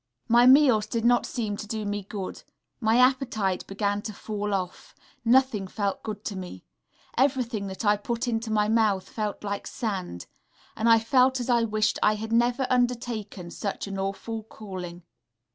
My meals did not seem to do me good, my appetite began to fall off, nothing felt good to me, everything that I put into my mouth felt like sand, and I felt as I wished I had never undertaken such an awful calling.